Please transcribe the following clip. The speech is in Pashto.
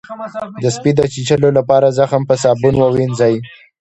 د سپي د چیچلو لپاره زخم په صابون ووینځئ